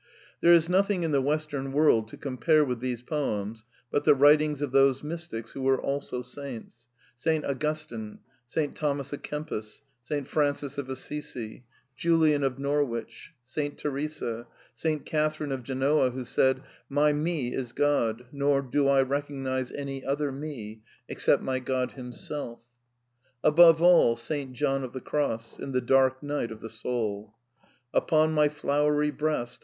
There is nothing in the Western world to compare with these poems but the writings of those mystics who were also saints: Saint Augustine, Saint Thomas i, Kempis, Saint Francis of Assisi, Julian of Norwich, Saint Teresa, Saint Catherine of Qenoa who said, " My Me is God, nor do I recognize any other Me, except my God Himself." (VUa e dottrina.) Above all, Saint John of the Cross, in The Dark Night of the Soul: "Upon my flowery breast.